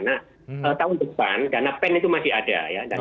nah tahun depan dana pen itu masih ada ya